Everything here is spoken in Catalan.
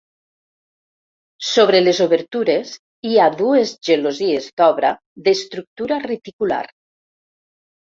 Sobre les obertures hi ha dues gelosies d'obra d'estructura reticular.